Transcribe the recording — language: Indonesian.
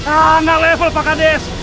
enggak level pak kandes